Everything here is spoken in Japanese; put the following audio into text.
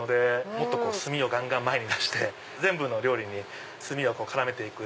もっと炭をがんがん前に出して全部の料理に炭を絡めて行く。